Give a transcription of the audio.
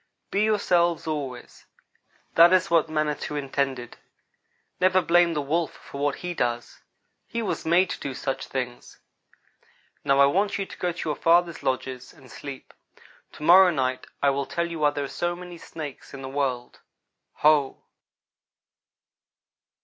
"Be yourselves always. That is what Manitou intended. Never blame the Wolf for what he does. He was made to do such things. Now I want you to go to your fathers' lodges and sleep. To morrow night I will tell you why there are so many snakes in the world. Ho!"